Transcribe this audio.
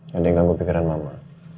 sendingan kepikiran mama